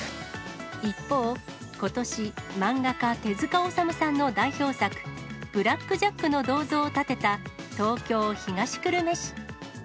一方、ことし、漫画家、手塚治虫さんの代表作、ブラック・ジャックの銅像を建てた東京・東久留米市。